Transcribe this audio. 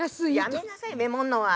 やめなさいメモるのは。